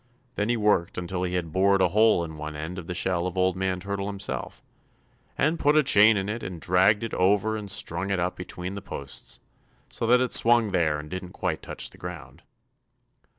Then he worked until he had bored a hole in one end of the shell of Old Man Turtle Himself, and put a chain in it and dragged it over and strung it up between the posts, so that it swung there and didn't quite touch the ground.